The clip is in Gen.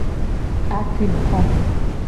Akliko.